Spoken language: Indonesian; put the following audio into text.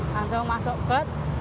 langsung masuk bed